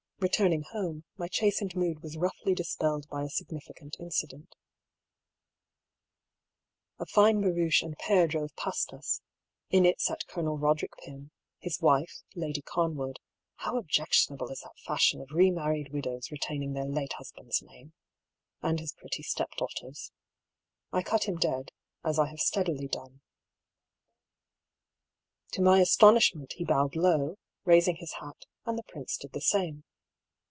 Returning home, my chastened mood was roughly dispelled by a significant incident A fine barouche and pair drove past us: in it sat Colonel Boderick Pym, his wife, Lady Camwood — (how objectionable is that fashion of re married widows re taining their late husband's name !)— and his pretty step daughters. I cut him dead, as I have steadily done. To my astonishment he bowed low, raising his hat, and the prince did the same.